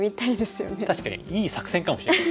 確かにいい作戦かもしれない。